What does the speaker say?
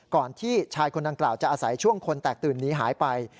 ก่อนที่ชายคนดังกล่าวจะอาศัยช่วงคนแตกตื่นหนีหายไป